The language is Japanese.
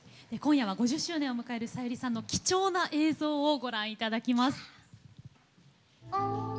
今夜は５０周年を迎えるさゆりさんの貴重な映像をご覧いただきます。